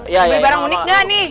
bu beli barang unik gak nih